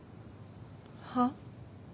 はっ？